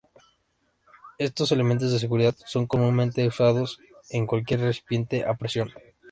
Estos elementos de seguridad son comúnmente usados en cualquier recipiente a presión.